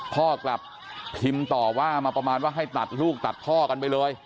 พ่อกลับพิมพ์ต่อว่ามาประมาณว่าให้ตัดลูกตัดพ่อกันไปเลย